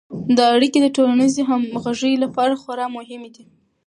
دا اړیکې د ټولنیز همغږي لپاره خورا مهمې دي.